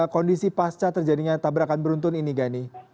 kondisi pasca terjadinya tabrakan beruntun ini gani